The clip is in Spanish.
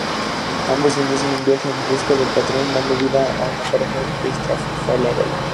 Ambos inician un viaje en busca del patrón, dando vida a una pareja estrafalaria.